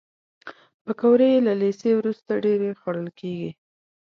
پکورې له لیسې وروسته ډېرې خوړل کېږي